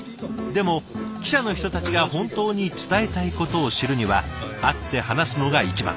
でも記者の人たちが本当に伝えたいことを知るには会って話すのが一番。